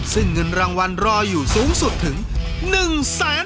ซึ่งเงินรางวัลรออยู่สูงสุดถึง๑แสนบาท